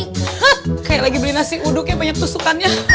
hah kayak lagi beli nasi uduk ya banyak tusukannya